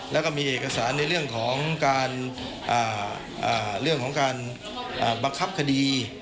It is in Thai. แล้วก็มีเอกสารในเรื่องของการบังคับคดี